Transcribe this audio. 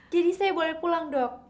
jadi saya boleh pulang dok